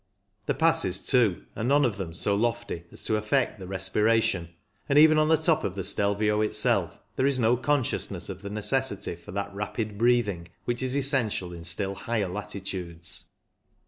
The passes, too, are none of them so lofty as to affect the respiration, and even on the top of the Stelvio itself there is no consciousness of the necessity for that rapid breathing which is essential in still higher latitudes.